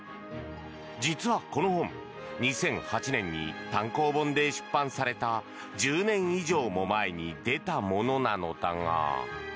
実はこの本２００８年に単行本で出版された１０年以上も前に出たものなのだが。